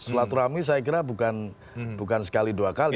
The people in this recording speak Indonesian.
silaturahmi saya kira bukan sekali dua kali